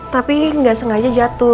tapi gak sengaja jatuh